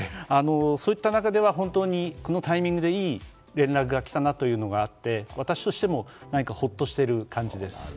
そういった中では本当に、このタイミングでいい連絡が来たなというのがあって私としても何かほっとしている感じです。